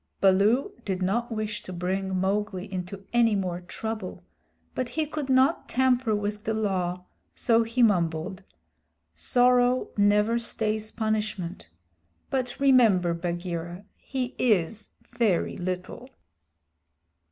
Baloo did not wish to bring Mowgli into any more trouble, but he could not tamper with the Law, so he mumbled: "Sorrow never stays punishment. But remember, Bagheera, he is very little."